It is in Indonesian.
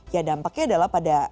ya dampaknya adalah pada